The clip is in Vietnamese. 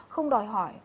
không đòi hỏi